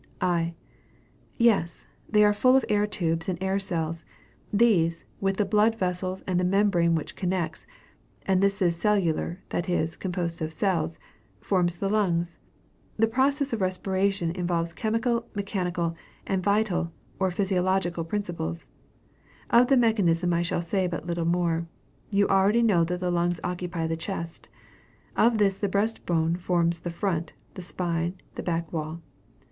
I. Yes; they are full of air tubes and air cells. These, with the blood vessels and the membrane which connects (and this is cellular, that is, composed of cells,) form the lungs. The process of respiration involves chemical, mechanical, and vital or physiological principles. Of the mechanism I shall say but little more. You already know that the lungs occupy the chest. Of this, the breast bone forms the front, the spine, the back wall.